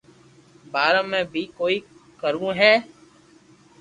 بارا ۾ بي ڪوئي ڪروو ھي